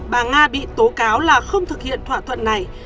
bà nga bị tố cáo là không thực hiện thỏa thuận này